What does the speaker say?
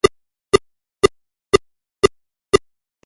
Fer la bruixa.